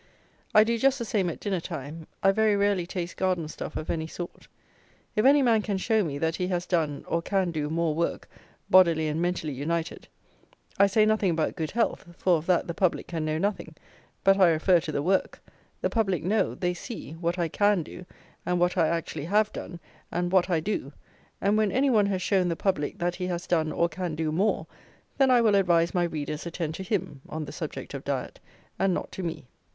I do just the same at dinner time. I very rarely taste garden stuff of any sort. If any man can show me, that he has done, or can do, more work, bodily and mentally united; I say nothing about good health, for of that the public can know nothing; but I refer to the work: the public know, they see, what I can do, and what I actually have done, and what I do; and when any one has shown the public, that he has done, or can do, more, then I will advise my readers attend to him, on the subject of diet, and not to me.